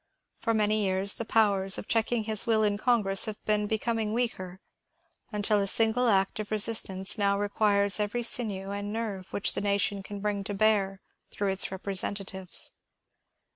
For many years the powers of checking his will in Congress have been becoming weaker, until a single act of resistance now requires every sinew and nerve which the nation can bring to bear through its repre sentatives.